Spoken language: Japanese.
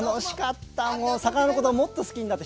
魚のことをもっと好きになった。